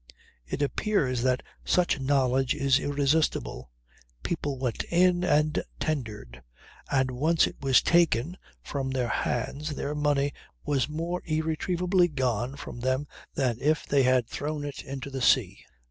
It appears that such knowledge is irresistible. People went in and tendered; and once it was taken from their hands their money was more irretrievably gone from them than if they had thrown it into the sea.